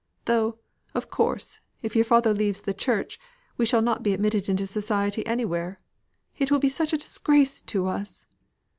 Though, of course, if your father leaves the Church, we shall not be admitted into society anywhere. It will be such a disgrace to us!